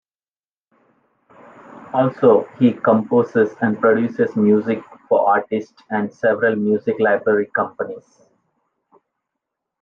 Also, he composes and produces music for artists and several music library companies.